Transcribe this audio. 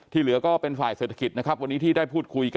ที่เหลือก็เป็นฝ่ายเศรษฐกิจวันนี้ที่ได้พูดคุย